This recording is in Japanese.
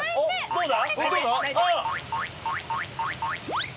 どうだ？